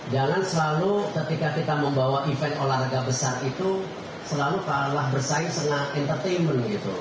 jangan selalu ketika ketika membawa event olahraga besar itu selalu berlari bersaing setengah entertainment gitu